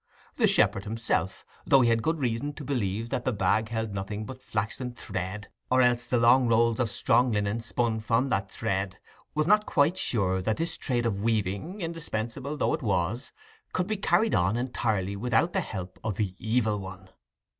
The shepherd himself, though he had good reason to believe that the bag held nothing but flaxen thread, or else the long rolls of strong linen spun from that thread, was not quite sure that this trade of weaving, indispensable though it was, could be carried on entirely without the help of the Evil One.